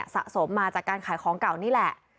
สะสมมาจากการขายของเก่านี่แหละ